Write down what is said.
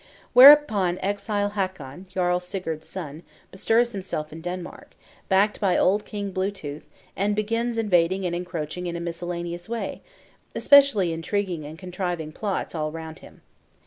Whereupon exile Hakon, Jarl Sigurd's son, bestirs himself in Denmark, backed by old King Blue tooth, and begins invading and encroaching in a miscellaneous way; especially intriguing and contriving plots all round him.